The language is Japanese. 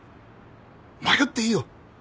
迷っていいよ。